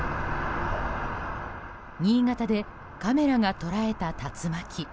新潟でカメラが捉えた竜巻。